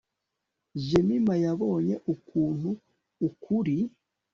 jemima yabonye ukuntu ukuri